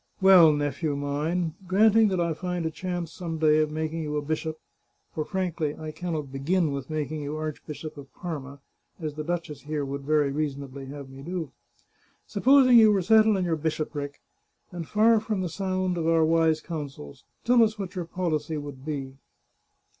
Well, nephew mine, granting that I find a chance some day of making you a bishop — for, frankly, I can not begin with making you Archbishop of Parma, as the duchess here would very reasonably have me do. Supposing you were settled in your bishopric, and far from the sound of our wise counsels ; tell us what your policy would be."